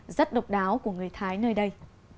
rất độc đáo của người thái nơi đây